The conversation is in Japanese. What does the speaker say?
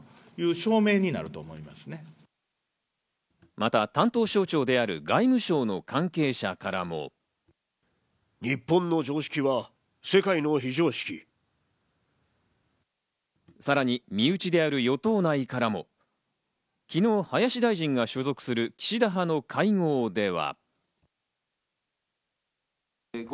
また担当省庁である外務省の関係者からも。さらに身内である与党内からも。昨日、林大臣が所属する岸田派の会合では。